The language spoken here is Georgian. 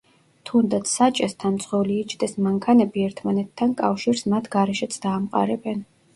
თუნდაც საჭესთან მძღოლი იჯდეს, მანქანები ერთმანეთთან კავშირს მათ გარეშეც დაამყარებენ.